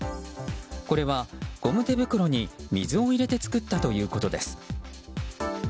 これはゴム手袋に水を入れて作ったということです。